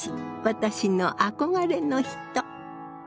私の憧れの人。